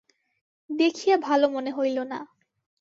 দেখিয়া ভালো মনে হইল না।